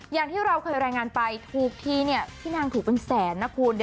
อย่างที่เราเคยรายงานไปถูกทีเนี่ยพี่นางถูกเป็นแสนนะคุณ